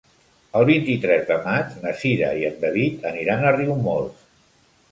El vint-i-tres de maig na Cira i en David aniran a Riumors.